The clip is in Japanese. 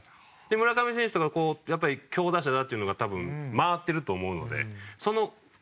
村上選手がやっぱり強打者だっていうのが多分回ってると思うのでその後ろですよね。